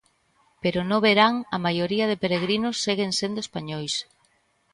Pero no verán a maioría de peregrinos seguen sendo españois.